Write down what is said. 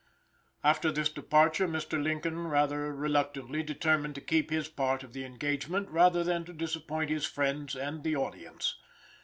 After this departure Mr. Lincoln rather reluctantly determined to keep his part of the engagement, rather than to disappoint his friends and the audience.